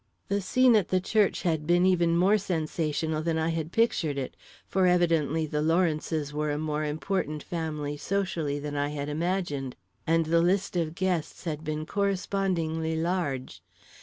The scene at the church had been even more sensational than I had pictured it, for evidently the Lawrences were a more important family socially than I had imagined, and the list of guests had been correspondingly large.